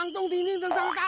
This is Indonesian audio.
aku juga nggak tau